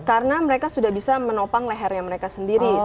karena mereka sudah bisa menopang lehernya mereka sendiri